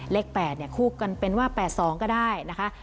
เลข๘คู่กันเป็นว่า๘๒ก็ได้นะคะ